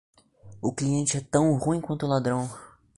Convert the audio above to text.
O cliente é tão ruim quanto ladrão.